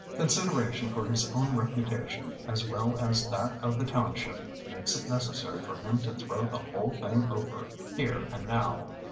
Consideration for his own reputation, as well as that of the township, makes it necessary for him to throw the whole thing over, here and now.